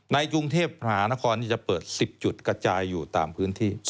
ในกรุงเทพมหานครจะเปิด๑๐จุดกระจายอยู่ตามพื้นที่